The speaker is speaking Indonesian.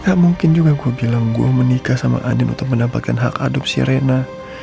gak mungkin juga gue bilang gue menikah sama adin untuk mendapatkan hak adopsi rena